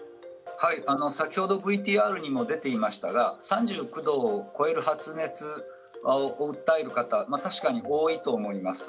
先ほどＶＴＲにも出ていましたが３９度を超える発熱を訴える方確かに多いと思います。